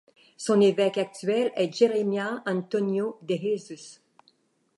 Son évêque actuel est Jeremias Antônio de Jesus.